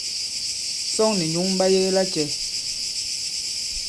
Sᴐŋ nì nyǔŋ ɓa yege lacɛ̄?